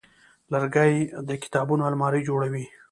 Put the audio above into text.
لرګی د کتابونو المارۍ جوړوي.